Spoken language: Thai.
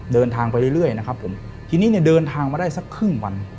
เดินทางไปเรื่อยนะครับผมทีนี้เนี่ยเดินทางมาได้สักครึ่งวัน